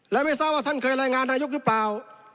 และไม่ทราบว่าท่านเคยรายงานนายกหรือเปล่า